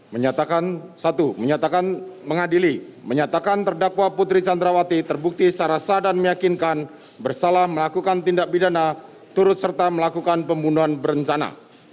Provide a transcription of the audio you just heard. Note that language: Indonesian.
menyatakan satu menyatakan mengadili menyatakan terdakwa putri candrawati terbukti secara sah dan meyakinkan bersalah melakukan tindak pidana turut serta melakukan pembunuhan berencana